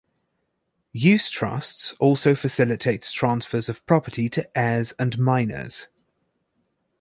Use trusts also facilitates transfers of property to heirs and minors.